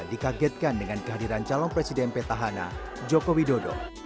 dikagetkan dengan kehadiran calon presiden petahana joko widodo